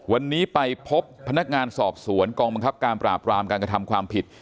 วันนี้ไปพบพนักงานสอบสวนกองบังคับการปราบรามการกระทำความผิด